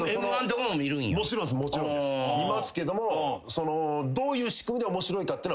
見ますけども。